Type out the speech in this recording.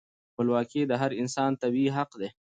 خپلواکي د هر انسان طبیعي حق دی.